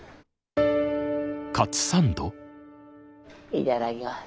いただきます。